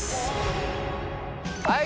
はい。